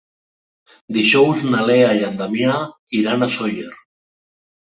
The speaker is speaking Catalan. Dijous na Lea i en Damià iran a Sóller.